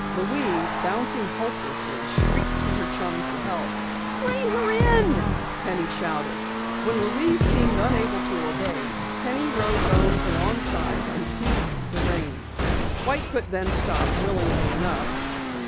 Louise, bouncing helplessly, shrieked to her chum for help. "Rein her in!" Penny shouted. When Louise seemed unable to obey, Penny rode Bones alongside and seized the reins. White Foot then stopped willingly enough.